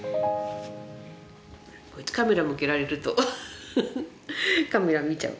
カメラ向けられるとフフカメラ見ちゃう。